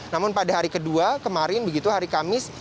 namun pada hari kedua kemarin begitu hari kamis